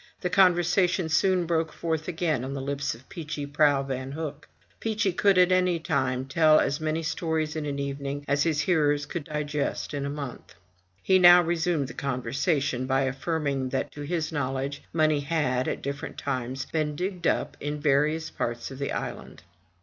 The conversation soon broke forth again from the lips of Peechy Prauw Van Hook. Peechy could, at any time, tell as many stories in an evening as his hearers could digest in a month. He now resumed the conversation, by affirming that, to his knowledge, money had, at different times, been digged up in various parts of the island.